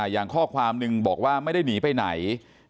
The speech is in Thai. อย่างข้อความหนึ่งบอกว่าไม่ได้หนีไปไหน